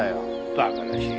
バカらしい。